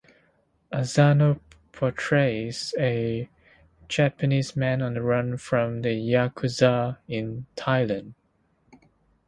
Asano portrays a Japanese man on the run from the yakuza in Thailand.